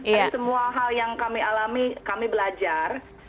dan semua hal yang kami alami kami belajar